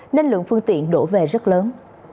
nên lượng phương tiện đổ về rất lớn